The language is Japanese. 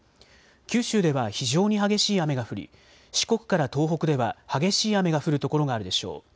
九州では非常に激しい雨が降り四国から東北では激しい雨が降る所があるでしょう。